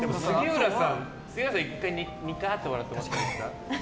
杉浦さん、１回ニカーって笑ってもらっていいですか。